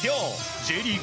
Ｊリーグ